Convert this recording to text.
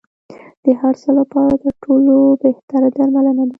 د هر څه لپاره تر ټولو بهتره درملنه ده.